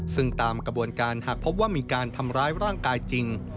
ซึ่งตามกระบวนการหากพบว่ามีการทำร้ายร่างกายจริง